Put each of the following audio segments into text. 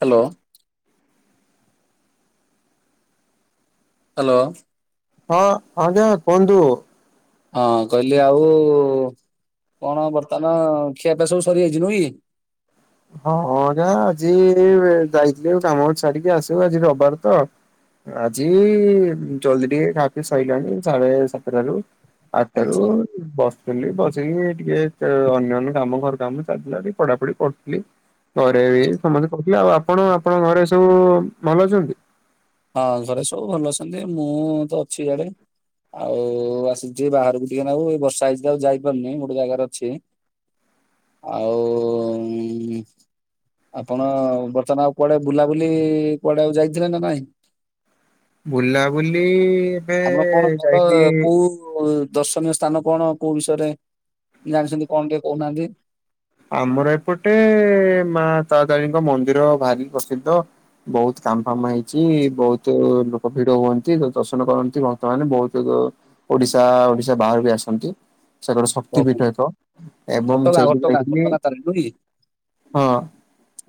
Hello. Hello. ହଁ ହଁ ଜୟ କୁହନ୍ତୁ। ହଁ କହିଲି ଆଉ କଣ ବର୍ତ୍ତମାନ ଖିଆପିଆ ସବୁ ସରିଯାଇଛି ନୁହେଁ କି। ହଁ ହଁ ନା ଆଜି ଯାଇଥିଲି କାମ ଛାଡିକି ଆସିବୁ ଆଜି ରବିବାର ତ। ଆଜି ଜଲଦି ଟିକେ ଖା ପିଅ ସଇଲାଣି ସାଢେ ସାତଟାରୁ। ଆଟା ରୁ। ଆଚ୍ଛା ବସିଥିଲି ବସିକି ଟିକେ ଅନ୍ୟାନ୍ୟ କାମ ଘର କାମ ଚାଲିଥିଲା ଟିକ ପଢ଼ାପଢ଼ି କର କରୁଥିଲି ଘରେ ବି ସମସ୍ତେ କହୁଥିଲେ ଆଉ ଆପଣ ଆପଣଙ୍କ ଘରେ ସବୁ ଭଲ ଅଛନ୍ତି? ହଁ ଘରେ ସବୁ ଭଲ ଅଛନ୍ତି ମୁଁ ତ ଅଛି ୟାଡ଼େ। ଆଉ ଆସିଛି ବାହାରକୁ ଟିକେ ନଗୁ ଏ ବର୍ଷା ହେଇଛି ଆଉ ଯାଇପାରୁନି ଗୋଟେ ଜାଗାରେ ଅଛି। ଆଉ ଓମ୍। ଆପଣ ବର୍ତ୍ତମାନ ଆଉ କୁଆଡେ ବୁଲାବୁଲି କୁଆଡେ ଆଉ ଯାଇଥିଲେ ନା ନାଇଁ? ବୁଲାବୁଲି ଏବେ ଆମଣ କଣ ଭଲ ଯାଇଥିଲି କୋଉ ଦର୍ଶନୀୟ ସ୍ଥାନ କଣ କୋଉ ବିଷୟରେ ଜାଣିଛନ୍ତି କଣ ଟିକେ କହୁନାହାନ୍ତି? ଆମର ଏପଟେ ମା ତାରା ତାରିଣୀଙ୍କ ମନ୍ଦିର ଭାରି ପ୍ରସିଦ୍ଧ। ବହୁତ କାମ ଫାମ ହେଇଛି ବହୁତ ଲୋକ ଭିଡ଼ ହୁଅନ୍ତି ଦର୍ଶନ କରନ୍ତି ଭକ୍ତମାନେ ବହୁତ ଦିଗ ଓଡିଶା ଓଡିଶା ବାହାରୁ ବି ଆସନ୍ତି ସେ ଗୋଟେ ଶକ୍ତି ଓହୋ ପୀଠ ଏକ ଏବଂ ସେଇଥିପାଇଁ ତାରା ତାରିଣୀ ନୁହ କି।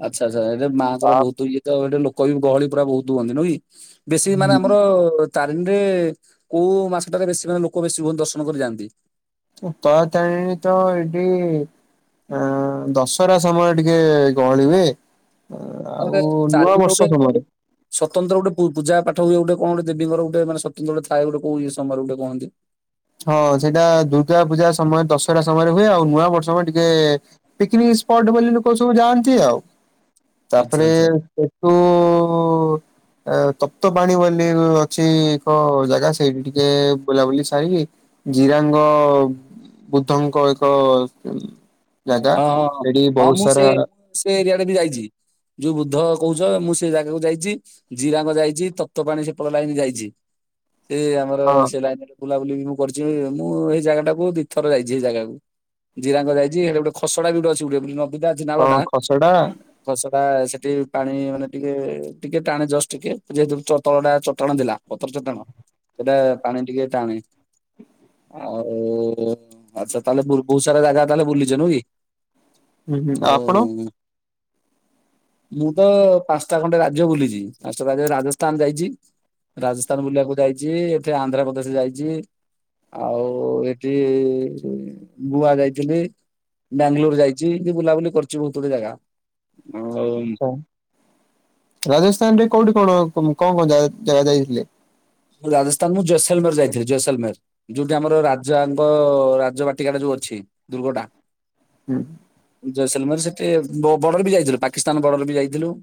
ଆଚ୍ଛା ଆଚ୍ଛା ଏଟେ ମାଆଙ୍କର ତା ବହୁତ ଇଏ ତ ଏଟ ଲୋକ ବି ଗହଳି ପୁରା ବହୁତ ହୁଅନ୍ତି ନୁହ କି। ବେଶୀ ମାନେ ଆମର ତାରିଣୀରେ କୋଉ ମାସଟାରେ ବେଶୀ ମାନେ ଲୋକ ବେଶୀ ହୁଅନ୍ତି ଦର୍ଶନ କରି ଯାଆନ୍ତି। ତାରା ତାରିଣୀ ତ ଏଠି ଅ ଦଶରା ସମୟ ଟିକେ ଗହଳି ହୁଏ। ଆଉ ତାପରେ ନୂଆ ତାରିଣୀଙ୍କର ଗୋଟେ ବର୍ଷ ସମୟରେ। ସ୍ୱତନ୍ତ୍ର ଗୋଟେ ପୂଜା ପାଠ ହୁଏ ଗୋଟ କଣ ଦେବୀଙ୍କର ଗୋଟେ ମାନେ ସ୍ୱତନ୍ତ୍ର ଥାଏ ଗୋଟେ କଉ ଏ ସମୟ ଗୋଟେ କୁହନ୍ତି। ହଁ ସେଇଟା ଦୁର୍ଗା ପୂଜା ସମୟ ଦଶରା ସମୟରେ ହୁଏ ଆଉ ନୂଆ ବର୍ଷ ସମୟ ଟିକେ ପିକନିକ ସ୍ପଟ ବୋଲି ଲୋକ ସବୁ ଯାଆନ୍ତି ଆଉ ଆଚ୍ଛା ତାପରେ ଆଚ୍ଛା। ଉ ଏ ତପ୍ତ ପାଣି ବୋଲି ଅଛି ଏକ ଜାଗା ସେଇଠି ଟିକେ ବୁଲାବୁଲି ସାରିକି ଜିରାଙ୍ଗ ବୁଦ୍ଦଙ୍କ ଏକ ହୁଁ, ଜାଗା ହଁ ହଁ ହଁ ଏଠି ହଁ ବହୁତ ମୁଁ ସେ ସାରା, ସେ ଏରିଆ ଟରେ ବି ଯାଇଛି ଯୋଉ ବୃଦ୍ଧ କହୁଛ ମୁଁ ସେ ଜାଗାକୁ ଯାଇଛି, ଜିରାଙ୍ଗ ଯାଇଛି ତତ୍ତ ପାଣି ସେପଟ ଲାଇନ ଯାଇଛି ଟେ ଆମର ହଁ ସେ ଲାଇନ୍ ରେ, ବୁଲାବୁଲି ବି ମୁଁ କରିଛି ମୁଁ ସେଇ ଜାଗା ଟାକୁ ଦିଇ ଥର ଯାଇଛି ଏ ଜାଗାକୁ ଜିରାଙ୍ଗ ଯାଇଛି ହେଟ ଗୋଟେ, ଖସଡ଼ା ବିଡୁ ଅଛି ଗୋଟେ ନବିଦା ନାଳ ହଁ ଟା, ଖସଡା ଫସ ଟା ସେଠି ପାଣି ମାନେ ଟିକେ ଟିକେ ଟାଣେ ଜଷ୍ଟ ଟିକେ ଯେହେତ ତଳ ଟା ଚଟାଣ ଥିଲା, ପଥର ଚଟାଣ ସେଟା ପାଣି ଟିକେ ଟାଣେ, ଆଉ ଆଚ୍ଛା ତାହେଲେ ବ ବହୁତ ସାରା ଜାଗା ତାହେଲେ ବୁଲିଛ ନୁହ କି, ହୁଁ ହୁଁ ଆପଣ ଆଉ, ମୁଁ ତ ପାଞ୍ଚଟା ଖଣ୍ଡେ ରାଜ୍ୟ ବୁଲିଛି ପାଞ୍ଚଟା ରାଜ୍ୟ ରାଜସ୍ଥାନ ଯାଇଛି, ରାଜସ୍ଥାନ ବୁଲିବାକୁ ଯାଇଛି ଏଠି ଆନ୍ଧ୍ରପ୍ରଦେଶ ଯାଇଛି, ଆଉ ଏଠି ବୁଆ ଯାଇଥିଲି, ବାଙ୍ଗାଲୋର ଯାଇଛି ଏ ବୁଲାବୁଲି କରିଛି ବହୁତ ଗୁଡେ଼ ଜାଗା ଆଉ, ମମ୍ ରାଜସ୍ଥାନରେ କୋଉଠି କଣ-କଣ-କଣ ଜାଗା-ଜାଗା ଯାଇଥିଲେ? ମୁଁ ରାଜସ୍ଥାନ ମୁଁ ଜୈସଲମେର ଯାଇଥିଲି ଜୈସଲମେର, ଯୋଉଠି ଆମର ରାଜାଙ୍କ ରାଜ ବାଟିକାଟା ଯୋଉ ଅଛି ଦୁର୍ଗଟା, ହୁଁ, ଜୟସଲମର ସେଠି ବଅ ବର୍ଡର ବି ଯାଇଥିଲୁ ପାକିସ୍ତାନ ବର୍ଡର ବି ଯାଇଥିଲୁ।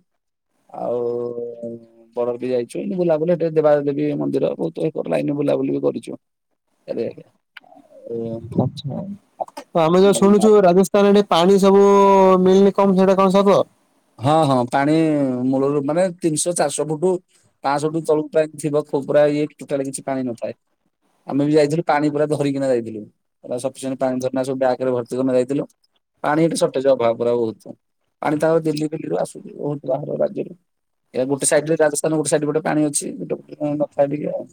ଆଉ ବଳ ବି ଯାଇଛୁ ବୁଲାବୁଲି [unintelligible] ମନ୍ଦିର ବହୁତ ଲାଇନ ବୁଲାବୁଲି ବି କରିଛୁ ଆରେ ଆଜ୍ଞା, ଆଛା ତ ଆମେ ଯୋଉ ଉଁ, ଶୁଣିଛୁ ରାଜେଶ ତ ଏଠି ପାଣି ସବୁ ମିଳିନି କମ ସେଇଟା କଣ ସତ ହଁ ହଁ ପାଣି ମୂଳରୁ ମାନେ ତିନିଶହ ଚାରିଶହ ଫୁଟୁ ପାଁଶହଠୁ ତଳକୁ ପ୍ରାଏ ଥିବ ଖୋବୁରା ଇଏ ଟୋଟାଲ କିଛି ପାଣି ନଥାଏ ଆମେ ବି ଯାଇଥିଲୁ ପାଣି ପୁରା ଧରିକିନା ଯାଇଥିଲୁ ଶପିଂସେଣ୍ଟ ପାଣି ଧରିଲ ସବୁ ବ୍ୟାଗରେ ଭର୍ତ୍ତି ଯାଇଥିଲୁ ପାଣି ଏ ସଟେଜ ଅଭାବ ପୁରା ବହୁତ [unintelligible] ପାଣି ତ ଆଉ ଦିଲ୍ଲୀ ଫିଲ୍ଲୀ ରୁ ଆସୁଛି ବହୁତ ବାହାର ରାଜ୍ୟରୁ ଏ ଗୋଟେ ସାଇଡ ରେ ରାଜସ୍ଥାନ ଗୋଟେ ସାଇଡ ପଟେ ରେ ପାଣି ଅଛି ଗୋଟେ ନ ଥାଏ ଟିକେ ଆଉ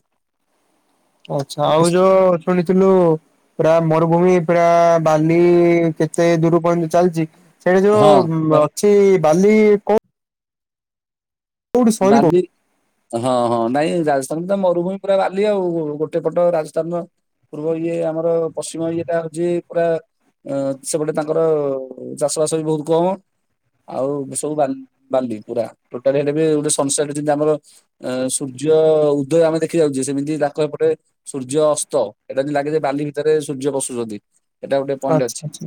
ଆଛା ଆଉ ଯୋଉ ଶୁଣିଥିଲୁ ପୁରା ମରୁଭୂମି ପୁରା ବାଲି କେତେ ଦୂର ପଅନ୍ତେ ଚାଲିଛି ସେଇ ହଁ ଯୋଉ ବା- ଅଛି ବାଲି କୋ ସରି କୋଉ ବାଲିି ହଁ ହଁ ନାଇଁ ରାଜସ୍ଥାନରେ ତ ମରୁଭୂମି ପୁରା ବାଲି ଆଉ ଗୋଟେ ପଟ ରାଜସ୍ଥାନର ପୂର୍ବ ଇଏ ଆମର ପଶ୍ଚିମ ଇଏଟା ହଉଛି ପୁରା ଅ ସେପଟେ ତାଙ୍କର ଚାଷ ବାସ ବି ବହୁତ କମ ଆଉ ସବୁ ବା ବଲ୍ଲୀ ପୁରା ଟୋଟାଲି ହେଲେ ବି ଗୋଟେ ସନସେଟ ଯେମତି ଆମର ଅ ସୂର୍ଯ୍ୟ ଉଦୟ ଆମେ ଦେଖି ଯାଉଛେ ସେମିତି ତାଙ୍କ ଏପଟେ ସୂର୍ଯ୍ୟ ଅସ୍ତ ଏଟା [inaudible] ଲାଗେ ଯେ ବାଲି ଭିତରେ ସୂର୍ଯ୍ୟ ପଶୁଛନ୍ତି ଏଇଟା ଗୋଟେ ପଏଣ୍ଟ ଆଚ୍ଛା ଅଛି ଆଚ୍ଛା।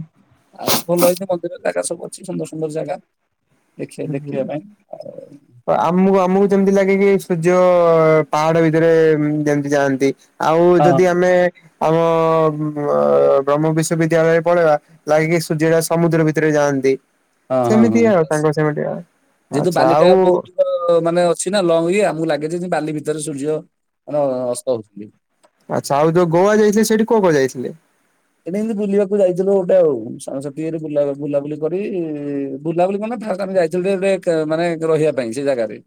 ଆଉ ଭଲ ଏଇନେ ମନ୍ଦିର ଜାଗା ସବୁ ଅଛି ସୁନ୍ଦର ସୁନ୍ଦର ଜାଗା ଦେଖିବା ଦେଖିବା ପାଇଁ ଆଉ ଆମକୁ ଆମକୁ ଯେମତି ଲାଗେ କି ସୂର୍ଯ୍ୟ ପାହାଡ ଭିତରେ ଯେମତି ଯାଆନ୍ତି ଆଉ ଯଦି ଆମେ ଆମ ବ୍ରହ୍ମ ବିଶ୍ୱବିଦ୍ୟାଳୟରେ ପଳେଇବ ଲାଗେକି ସୂର୍ଯ୍ୟଟା ସମୁଦ୍ର ଭିତରେ ଯାଆନ୍ତି ହଁ ହଁ ହଁ ସେମିତି ଆଉ ବାସ ତାଙ୍କ ସେମିତି ଯେହେତୁ ଆଚ୍ଛା ବାଲିଟା ଆଉ ବହୁତ ମାନେ ଅଛି ନା ଲଙ୍ଗ ଏଇଆ ଆମକୁ ଲାଗେ ଯେ ବାଲି ଭିତରେ ସୂର୍ଯ୍ୟ ମାନେ ଅସ୍ତ ହଉଛନ୍ତି ଆଚ୍ଛା ଆଉ ଯୋଉ ଗୋଆ ଯାଇଥିଲେ ସେଠି କୋଉ କୋଉ ଯାଇଥିଲେ ଏନେ ଏମିତି ବୁଲିବାକୁ ଯାଇଥିଲୁ ଗୋଟେ ଆଉ ସାଙ୍ଗସାଥି ଇରେ ବୁଲାଆ ବୁଲାବୁଲି କରି ବୁଲାବୁଲି କଁନା ଫାଷ୍ଟେ ଆମେ ଯାଇ ଗୋଟେ ଗୋଟେ ମାନେ ରହିବା ପାଇଁ ସେ ଜାଗାରେ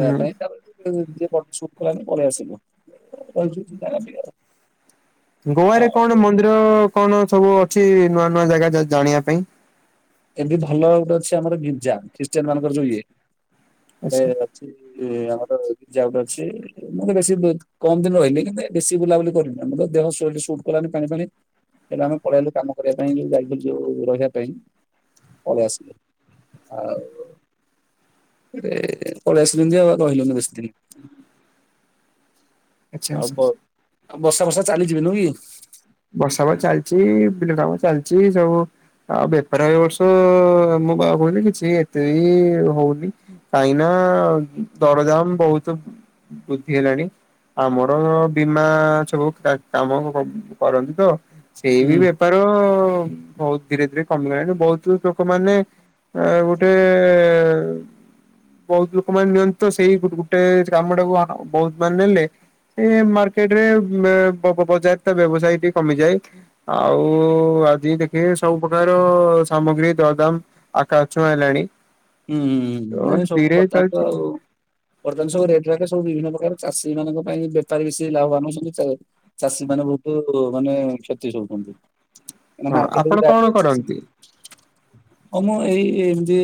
ହୁଁ ରଇବାପାଇଁ ତାପରେ [inaudible] ଜିଏ ସୁଟ କଲାନି ପଳେଇ ଆସିଲୁ ରହିଛୁ ସେ ଜାଗା ଟିକେ ଆଉ। ଗୋଆରେ ଆଉ କଣ ମନ୍ଦିର ର କଣ ସବୁ ଅଛି ନୂଆ ନୂଆ ଜାଗା ଯ ଜାଣିବା ପାଇଁ ଏବେ ଭଲ ଗୋଟେ ଅଛି ଆମର ଗିରର୍ଜା ଖ୍ରୀଷ୍ଟିୟନ ମାନଙ୍କର ଯୋଉ ଇଏ ଗୋଟେ ଆଚ୍ଛା ଅଛି ଆମର ଗୀରର୍ଜା ଗୋଟେ ଅଛି ମତେ ବେଶୀ କମ ଦିନ ରହିଲି କିନ୍ତୁ ବେଶୀ ବୁଲାବୁଲି କରିନି ଆମର ଦେହ ସୁଇଟ ସୁଟ କଲାନି ପାଣି ଫାଣୀ ସେଇଠୁ ଆମେ ପଳେଇ ଆଲୁ କାମ କରିବା ପାଇଁ ଯଉ ଯାଇଥିଲୁ ଯଉ ରହିବା ପାଇଁ ପଳିଆସିଲୁ ଆଉ [inaudible] ପଳେଇ ଆସିଲୁନି ଯେ ଆଉ ଆଉ ରହିଲୁନି ବେଶୀ ଦିନ ଆଚ୍ଛା ଆଉ ବ ଆଚ୍ଛା। ବର୍ଷା ଫର୍ଷା ଚାଲିଚିବି ନୁହଁ କି ବର୍ଷା ଵା ଚାଲିଛି ବିଲ କାମ ଚାଲିଛି ସବୁ ଆଉ ବେପାର ଏ ବର୍ଷ ମୋ ବାହୋଉଲି କିଛି ଏତେ ବି ହଉନି କାହିଁ ନା ଦରଦାମ ବହୁତ ଵୃଦ୍ଧି ହେଲାଣି ଆମର ବୀମା ସବୁ କା କାମ [inaudible] କରନ୍ତିୁ ତ ସେଇ ହୁଁ ବି ବେପାର ବହୁତ ଧୀରେ ଧୀରେ କମିଗଲାଣି ବହୁତ ଲୋକମାନେ ଆ ଗୋଟେଏ ବହୁତ ଲୋକମାନୋନେ ନିଅନ୍ତି ତ ସେଇ ଗୋ ଗୋଟେ କାମ ଟାକୁ ବହୁତ ମାନେ ନେଲେ ଏ ମାର୍କେଟ ରେ ମେ ବ ବଜାର ତ ବ୍ୟବସାୟ ଟିକେ କମିଯାଏ ଆଉ ଆଜି ଦେଖିବେ ସବୁ ପ୍ରକାର ସାମଗ୍ରୀ ଦରଦାମ ଆକା ଛୁଆଁଏଲାଣି ହୁଁ ହୁଁ ନାଇଁ ସବୁ କରିଥାନ୍ତ ଚାଲିଛି ଆଉ ବର୍ତ୍ତମାନ ସବୁ ରେଟ ରାଟ ସବୁ ବିଭିନ୍ନ ପ୍ରକାର ଚାଷୀ ମାନଙ୍କ ପାଇଁ ବେପାରୀ ବେଶି ଲାଭବାନ ହଉଛନ୍ତି। ଚାଷୀ ମାନେ ବହୁତ ମାନେ କ୍ଷତି ସହୁଛନ୍ତି ହଁ ମାର୍କେଟ ବି ଆପଣ କଣ ତାଠୁ ଉଚା କରନ୍ତି? ହ ମୁଁ ଏଇ ଏମତି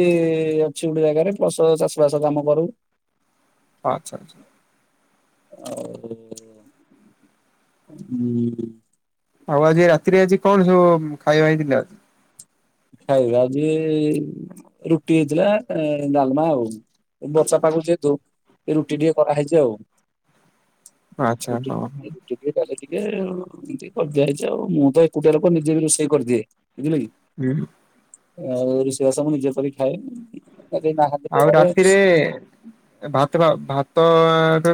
ଅଛି ଗୋଟେ ଜାଗାରେ ଫସଲ ଚାଷ ବାସ କାମ କରୁ। ଆଚ୍ଛା ଚ୍ଛା। ଆଉ ହୁଁ। ଆଉ ଆଜି ରାତିରେ ଆଜି କଣ ସବୁ ଖାଇବା ହେଇଥିଲା? ଖାଇବା ଯେ ରୁଟି ହେଇଥିଲା ଡାଲମା ଆଉ। ବର୍ଷା ପାଗକୁ ଯେହେତୁ ଏ ରୁଟି ଟିକେ କରାହେଇଛି ଆଉ। ଆଚ୍ଛା [unintelligible] [unintelligible] ହଁ ଏମତି କରିଦିଆଯାଇଛି ଆଉ ମୁଁ ତ ଏକୁଟିଆ ଲୋକ ନିଜେ ବି ରୋଷେଇ କରିଦିଏ ବୁଝିଲେ କି? ହୁଁ ଆଉ ରୋଷେଇ ବାସ ମୁଁ ନିଜେ କରି ଖାଏ କେଇ ନାହାନ୍ତି ତ ଆଉ ଘରେ। ରାତିରେ ଭାତ ଭାତ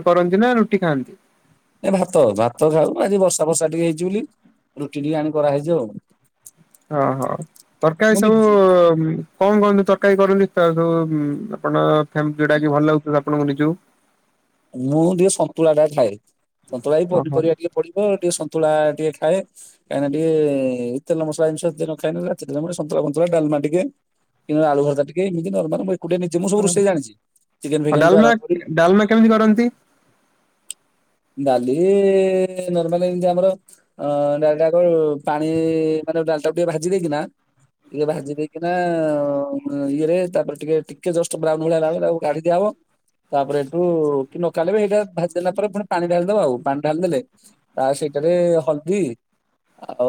କରନ୍ତି ନା ରୁଟି ଖାଆନ୍ତି ଏ ଭାତ ଭାତ ଖାଉ ଆଜି ବର୍ଷା ବର୍ଷା ଟିକେ ହେଇଛି ବୋଲି ରୁଟି ଟିକେ ଆଣି କରା ହେଇଚି ଆଉ। ହଁ ହଁ ତରକାରୀ ମୁଁ ସବୁ କଣ କହନି ତରକାରୀ କରୁନି ସବୁ ଆପଣ ଫ୍ୟାମିଲି ଯୋଉଟା କି ଭଲ ଲାଗୁ ଥିଲା ଆପଣଙ୍କୁ ନିଜକୁ ମୁଁ ଟିକେ ସନ୍ତୁଳା ଟା ଖାଏ ସନ୍ତୁଳା ବି ଓହୋ। ପନିପରିବା ଟିକେ ପଡିବେ ଟିକେ ସନ୍ତୁଳା ଟିକେ ଖାଏ। କାହିଁକିନା ଟିକେ ତେଲମସଲା ଜିନିଷି ଏତେ ନ ଖାଏ ସନ୍ତୁଳା ମନ୍ତୁଳା ଡାଲମା ଟିକେ କିନ୍ତୁ ଆଳୁଭର୍ତ୍ତା ଟିକେ ଏମିତି ନର୍ମାଲ ମୁଁ ଏକୁଟିଆ ନିଜେ ସବୁ ହଁ ରୋଷେଇ ଜଣିଛି ଚିକେନ ଫିକେନଠୁ ଡାଲମା ଆରମ୍ଭ କରି ଡାଲମା କେମିତି କରନ୍ତି? ଡାଲି ନର୍ମାଲ ଏମିତି ଆମର ଅ ଡାଲଟାକୁ କଣ ପାଣି ମାନେ ଡାଲଟାକୁ ଟିକେ ଭାଜି ଦେଇକି ନା ଟିକେ ଭାଜି ଦେଇକିନା ଇଏରେ ତାପରେ ଟିକେ ଟିକେ ଜଷ୍ଟ ବ୍ରାଉନ ହେଲାବେଳେ ତାକୁ କାଢିଦିଆ ହବ। ତାପରେ ଏଠୁ ନ କଲେ ବି ଏଇଟା ଭାଦେଲା ପରେ ପୁଣି ପାଣି ଢାଳିଦବା ଆଉ ପାଣି ଢାଳି ଦେଲେ ତା ସେଠାରେ ହଳଦୀ ଆଉ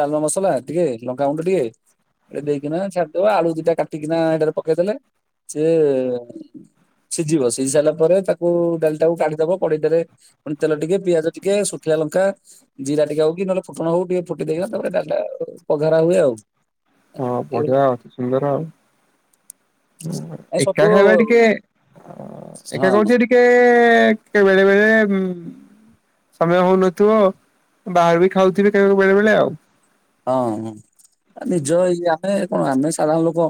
ଡାଲମା ମସଲା ଟିକେ ଲଙ୍କାଗୁଣ୍ଡ ଟିକେ ଦେଇକିନା ଛାଡିଦବା ଆଳୁ ଦିଟା କାଟିକିନା ଏଇଟାରେ ପକେଇଦେଲେ ସେ ସିଝିବ ସିଝି ସାଇଲା ପରେ ତାକୁ ଡାଲିଟାକୁ କାଢ଼ୀ ଦବ କଡେଇଟାରେ ପୁଣି ତେଲ ଟିକେ ପିଆଜ ଟିକେ ଶୁଖିଲା ଲଙ୍କା ଜିରା ଟିକେ ହଉ କି ନହେଲେ ଫୁଟଣ ହଉ ଟିକେ ଫୁଟି ଦେଇ ତାପରେ ଡାଲିଟା ପଘରା ହୁଏ ଆଉ। ହଁ ଏଇଭଳିଆ ବଢିଆ ସୁନ୍ଦର ଆଉ। ଏ ଏକା ସବୁ ଖାଇବା ଟିକେ ହଁ ଏକା ହଁ କହୁଛ ଟି କେ କେ ବେଳେ ବେଳେ ଉଁ ସମୟ ହଉନଥିବ ବାହାରୁ ବି ଖାଉଥିବେ କଣକୁ ବେଳେ ବେଳେ ଆଉ। ହଁ ନିଜ ଇ ଆମେ କଣ ଆମେ ସାଧାରଣ ଲୋକ।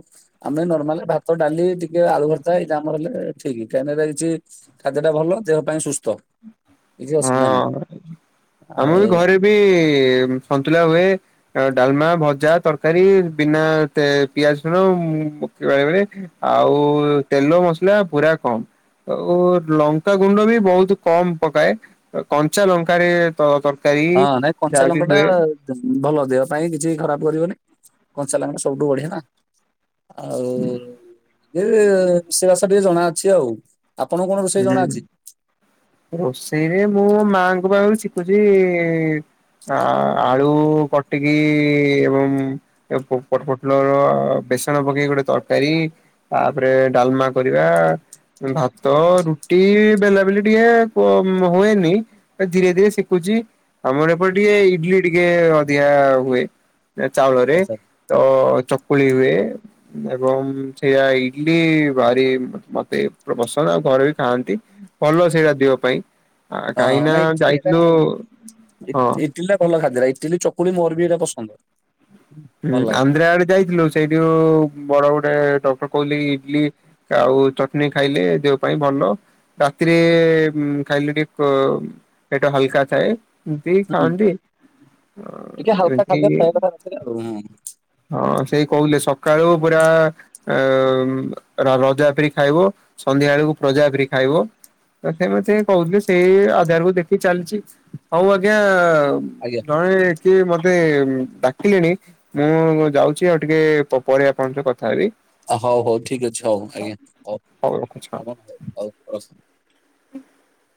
ଆମେ ନର୍ମାଲ ଭାତ ଡାଲି ଟିକେ ଆଳୁ ଭର୍ତା ଏଇଟା ଆମର ହେଲେ ଠିକ [unintelligible] ଖାଦ୍ୟଟା ଭଲ ଦେହ ପାଇଁ ସୁସ୍ଥ। କିଛି ଅସୁବିଧା ନାହିଁ ହଁ ଆମ ଆଉ ବି ଘରେ ବି ସନ୍ତୁଲା ହୁଏ। ଡାଲମା, ଭଜା, ତରକାରୀ ବିନା ତେ ପିଆଜ ରସୁଣ ବେଳେବେଳେ ଆଉ ତେଲ ମସଲା ପୁରା କମ। ଓ ଲଙ୍କା ଗୁଣ୍ଡ ବି ବହୁତ କମ ପକାଏ କଞ୍ଚା ଲଙ୍କାରେ ତ ତର। ହଁ ନାଇଁ କଞ୍ଚା ଲଙ୍କା [unintelligible] ଭଲ ଦେହ ପାଇଁ କିଛି ଖରାପ କରିବନି କଞ୍ଚାଲଙ୍କା ଟା ସବୁଠୁ ବଢିଆ ନା। ଆଉ ସେ ରୋଷେଇ ବାସ ଟିକେ ଜଣା ଅଛି ଆଉ ଆପଣଙ୍କୁ କଣ ରୋଷେଇ ଜଣା ଅଛି? ହୁଁ ରୋଷେଇରେ ମୁଁ ମାଆଙ୍କ ପାଖରୁ ଶଖୁଛି ଆ ଆଳୁ କଟିକି ଏବଂ ଏ ପୋ ପୋଟ ପୋଟଲର ବେସନ ପକେଇ ଗୋଟେ ତରକାରୀ ତାପରେ ଡାଲମା କରିବା, ଭା ତ, ରୁଟି ବେଲା ବେଲି ଟିକେ ହୁଏନି ଧୀରେ ଧୀରେ ଶିଖୁଛି। ଆମର ଏପଟ ଟିକେ ଇଡଲି ଟିକେ ଅଧିକା ହୁଏ ଚାଉଳରେ। ଆଚ୍ଛା। ଅ ଚକୁଳି ହୁଏ। ଏବଂ ସେଇଆ ଇଡଲି ଭାରି ମତେ ପସନ ଆଉ ଘରେ ବି ଖାଆନ୍ତି। ଭଲ ସେଇଟା ଦିହ ପାଇଁ। ଆ ହଁ କାହିଁକି ହଁ ନା ନାଇଁ ଯାଇଥିଲୁ ହଁ? ଟିଲା ଭଲ ଖାଦ୍ୟ ଇଟିଲି ଚକୁଳି ମୋର ବି ଇଟା ପସନ୍ଦ। ହୁଁ, ଭଲ ଲାଗେ। ଆନ୍ଧ୍ରା ଆଡେ ଯାଇଥିଲୁ। ସେଇଠି ବଡ ଗୋଟେ ଡଟର କହୁଥିଲ ଇଡଲି ଆଉ ଚଟଣି ଖାଇଲେ ଦେହ ପାଇଁ ଭଲ। ରାତିରେ ଖାଇକୁ ଟିକେ ପ ପେଟ ହାଲକା ଥାଏ। ଏତି ହୁଁ ଖାଆନ୍ତି ଟିକେ ହାଲକା ଏମିତି ଖାଦ୍ୟ [unintelligible] ହଁ, ସେଇ କହୁଲେ ସକାଳୁ ପୁରା ଆ ରଜା ଫ୍ରି ଖାଇବ। ସନ୍ଧ୍ୟା ବେଳକୁ ପ୍ରଜା ଫ୍ରି ଖାଇବ। ତଥା ମତେ କହୁଥିଲ ସେଇ ଆଧାରକୁୁ ଦେଖି ଚାଲିଛି। ହଉ ଆଜ୍ଞା ଆଜ୍ଞା। ଜଣେ କିଏ ମତେ ଡାକିଲେଣି ମୁଁ ଯାଉଛି ଆଉ ଟିକେ ପ ପରେ ଆପଣଙ୍କ କଥା ହେବି। ହଉ ହଉ ଠିକ ଅଛି ହଉ ଆଜ୍ଞା ହଉ ରଖୁଛି ହଁ। ହ ହଉ ହଉ। [inaudible]